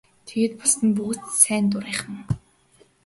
Тэгээд бусад нь бүгд сайн дурынхан.